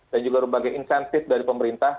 dan juga berbagai insentif dari pemerintah